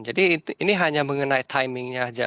jadi ini hanya mengenai timingnya saja